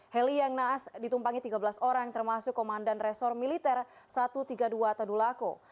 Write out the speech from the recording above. heli yang naas ditumpangi tiga belas orang termasuk komandan resor militer satu ratus tiga puluh dua tadulako